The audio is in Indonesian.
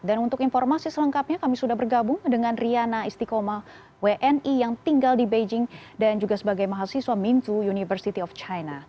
dan untuk informasi selengkapnya kami sudah bergabung dengan riana istiqomah wni yang tinggal di beijing dan juga sebagai mahasiswa minzu university of china